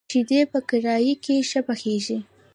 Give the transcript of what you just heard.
شيدې په کړايي کي ښه پخېږي.